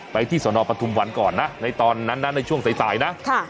ไปที่สอนอบประทุมวันก่อนนะในตอนนั้นนั้นในช่วงสายสายนะค่ะ